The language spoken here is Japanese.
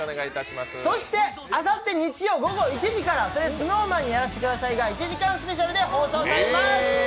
そしてあさって日曜午後１時から「それＳｎｏｗＭａｎにやらせて下さい」が１時間スペシャルで放送されます。